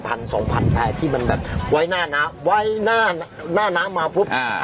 สองพันแพร่ที่มันแบบไว้หน้าน้ำไว้หน้าหน้าน้ำมาปุ๊บอ่า